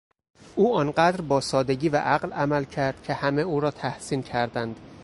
او آنقدر با سادگی و عقل عمل کرد که همه او را تحسین کردند.